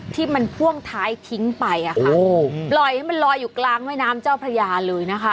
ที่มันพ่วงท้ายทิ้งไปอะค่ะปล่อยให้มันลอยอยู่กลางแม่น้ำเจ้าพระยาเลยนะคะ